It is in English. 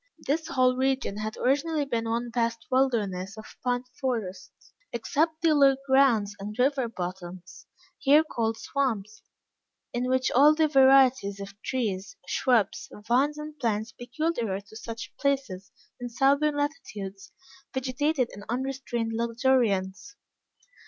This whole region had originally been one vast wilderness of pine forest, except the low grounds and river bottoms, here called swamps, in which all the varieties of trees, shrubs, vines, and plants peculiar to such places, in southern latitudes, vegetated in unrestrained luxuriance.